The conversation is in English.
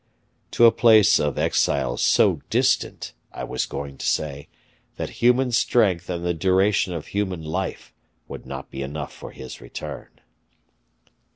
"To a place of exile so distant, I was going to say, that human strength and the duration of human life would not be enough for his return."